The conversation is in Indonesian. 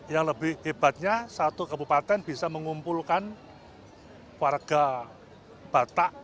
yang lebih hebatnya satu kebupaten bisa mengumpulkan warga batak